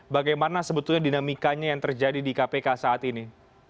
bagaimana sebetulnya dinamikanya yang terjadi di kpk saat ini